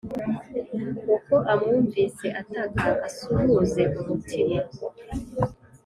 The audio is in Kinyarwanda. uko amwumvise ataka, asuhuze umutima.